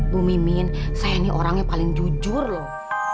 bu mimin saya ini orangnya paling jujur loh